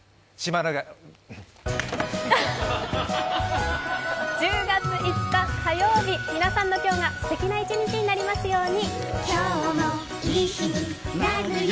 シマエナガ１０月５日火曜日、皆さんの１日がすてきなものになりますように。